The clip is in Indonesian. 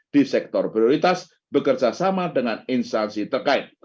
di sektor prioritas bekerjasama dengan instansi terkait